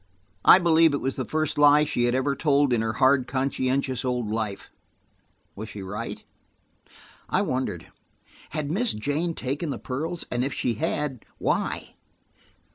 I believe it was the first lie she had ever told in her hard, conscientious old life. Was she right? I wondered. Had Miss Jane taken the pearls, and if she had, why?